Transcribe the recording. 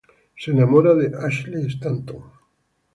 Se enamora de Ashley Stanton.